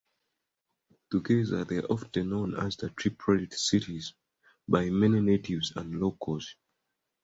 Together, they are often known as "The Triplet Cities" by many natives and locals.